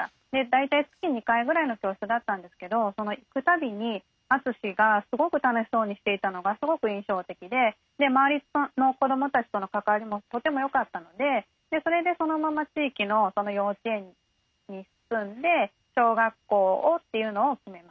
大体月２回ぐらいの教室だったんですけど行くたびに篤がすごく楽しそうにしていたのがすごく印象的で周りの子どもたちとの関わりもとてもよかったのでそれでそのまま地域の幼稚園に進んで小学校をというのを決めました。